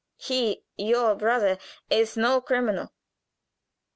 He, your brother, is no criminal.